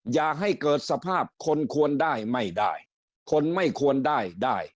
อย่าให้เกิดสภาพคนควรได้ไม่ได้คนไม่ควรได้ได้